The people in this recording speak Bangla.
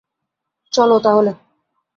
চলো, তাহলে।